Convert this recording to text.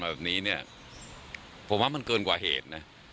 มาบอกว่ามันเกินกว่าเหตุนะ